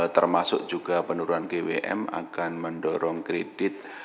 termasuk juga penurunan gwm akan mendorong kredit